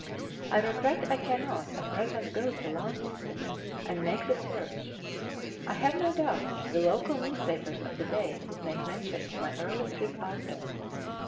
I regret I cannot at present go to Launceston and make the search. I have no doubt the local newspapers of the date would make mention of my early trip also.